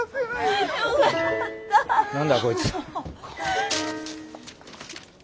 何だこいつ。